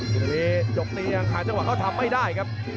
ทีนี้ยกนี้ยังหาจังหวะเข้าทำไม่ได้ครับ